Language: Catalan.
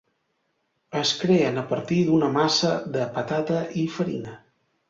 Es creen a partir d'una massa de patata i farina.